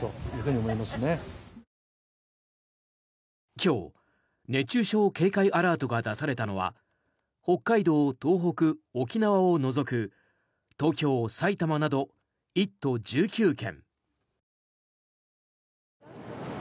今日、熱中症警戒アラートが出されたのは北海道、東北、沖縄を除く東京、埼玉など１都１９県。